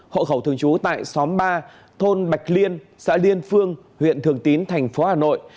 hộ khẩu thường trú tại xóm ba thôn bạch liên xã liên phương huyện thường tín thành phố hà nội